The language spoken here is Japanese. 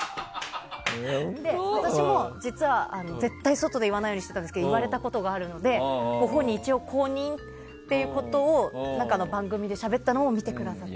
私も実は絶対に外で言わないようにしていたんですが言われたことがあるのでご本人、一応公認ということを何かの番組でしゃべったのを見ててくださった。